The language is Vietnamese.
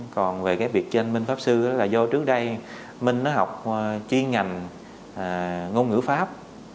còn về cái việc trên minh pháp sư là do trước đây minh nó học chuyên ngành ngôn ngữ pháp